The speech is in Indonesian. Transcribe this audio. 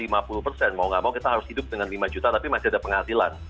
mau gak mau kita harus hidup dengan lima juta tapi masih ada penghasilan